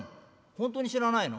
「本当に知らないの？